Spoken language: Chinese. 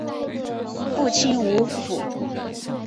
父亲吴甫。